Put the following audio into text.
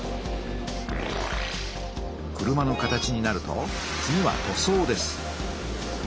車の形になると次は塗装です。